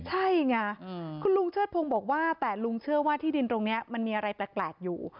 ใช่ไงคุณลุงเชิดพงศ์บอกว่าแต่ลุงเชื่อว่าที่ดินตรงนี้มันมีอะไรแปลกอยู่